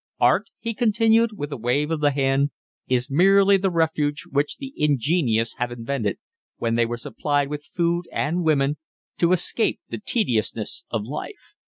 "Art," he continued, with a wave of the hand, "is merely the refuge which the ingenious have invented, when they were supplied with food and women, to escape the tediousness of life."